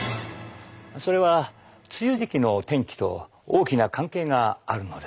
それは梅雨時期の天気と大きな関係があるのです。